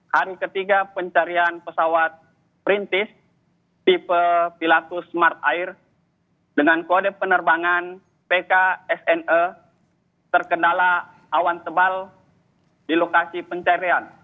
hari ketiga pencarian pesawat perintis tipe pilatus mart air dengan kode penerbangan pksne terkendala awan tebal di lokasi pencarian